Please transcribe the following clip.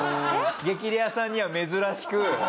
激レアさんには珍しく。